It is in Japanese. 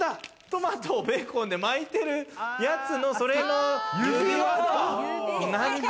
トマト、ベーコンで巻いてるやつの、それの指輪だ。